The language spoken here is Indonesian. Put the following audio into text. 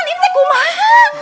ini tuh kumaha